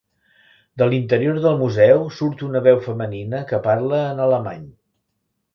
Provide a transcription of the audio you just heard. De l'interior del museu surt una veu femenina que parla en alemany.